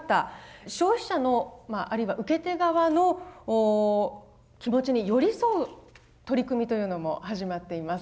消費者のまああるいは受け手側の気持ちに寄り添う取り組みというのも始まっています。